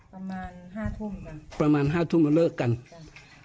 ประมาณห้าทุ่มค่ะประมาณห้าทุ่มแล้วเลิกกันใช่